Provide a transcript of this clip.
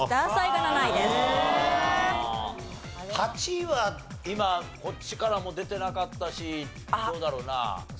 ８位は今こっちからも出てなかったしどうだろうな。